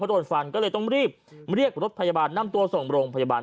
โดนฟันก็เลยต้องรีบเรียกรถพยาบาลนำตัวส่งโรงพยาบาล